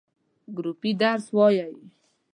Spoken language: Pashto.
ګروپی درس وایی؟